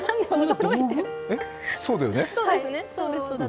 そうだよね？